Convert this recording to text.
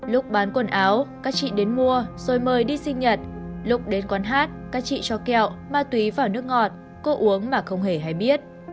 lúc bán quần áo các chị đến mua rồi mời đi sinh nhật lúc đến quán hát các chị cho kẹo ma túy vào nước ngọt cô uống mà không hề hay biết